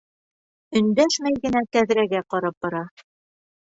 Өндәшмәй генә тәҙрәгә ҡарап бара.